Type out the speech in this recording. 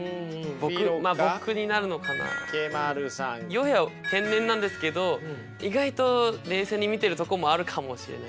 ＹＯＨＥは天然なんですけど意外と冷静に見てるとこもあるかもしれない。